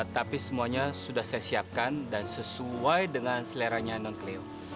tapi semuanya sudah saya siapkan dan sesuai dengan seleranya non cleo